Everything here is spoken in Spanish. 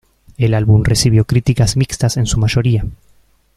El álbum recibió críticas mixtas en su mayoría.